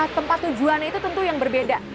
tempat tujuannya itu tentu yang berbeda